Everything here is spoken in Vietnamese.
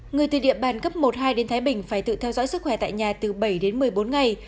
người từ địa bàn cấp một hai đến thái bình phải tự theo dõi sức khỏe tại nhà từ bảy đến một mươi bốn ngày